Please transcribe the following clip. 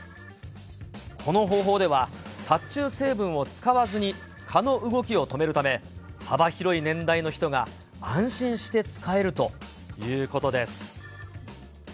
この方法では、殺虫成分を使わずに、蚊の動きを止めるため、幅広い年代の人が安心して使えるということです。